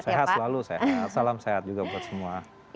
sehat selalu sehat salam sehat juga buat semua